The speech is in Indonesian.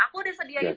aku sudah sediainya pak